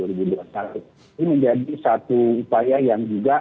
ini menjadi satu upaya yang juga